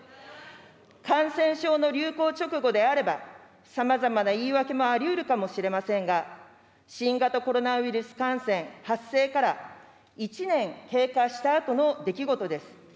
感染症の流行直後であれば、さまざまな言い訳もありうるかもしれませんが、新型コロナウイルス感染発生から１年経過したあとの出来事です。